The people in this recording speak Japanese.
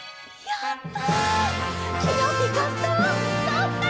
やった！